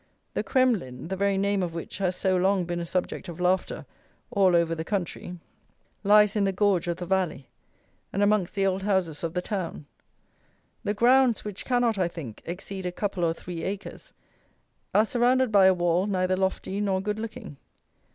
The Kremlin, the very name of which has so long been a subject of laughter all over the country, lies in the gorge of the valley, and amongst the old houses of the town. The grounds, which cannot, I think, exceed a couple or three acres, are surrounded by a wall neither lofty nor good looking.